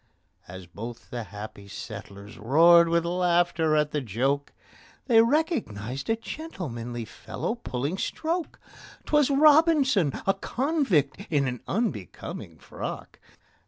As both the happy settlers roared with laughter at the joke, They recognized a gentlemanly fellow pulling stroke: 'Twas ROBINSON—a convict, in an unbecoming frock!